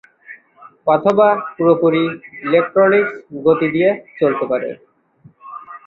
অথবা পুরোপুরি ইলেকট্রনিক গতি দিয়ে চলতে পারে।